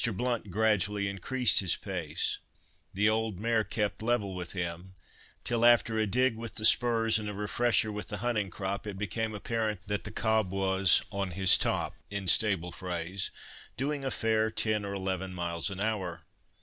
Blount gradually increased his pace—the old mare kept level with him, till after a dig with the spurs, and a refresher with the hunting crop, it became apparent that the cob was "on his top," in stable phrase, doing a fair ten or eleven miles an hour.